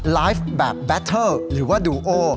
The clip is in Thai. ไลฟ์แบบแบตเทอร์หรือว่าดูโอ